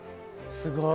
すごい。